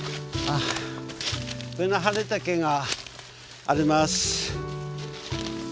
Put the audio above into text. ブナハリタケがあります。